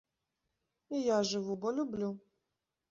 І я жыву, бо люблю!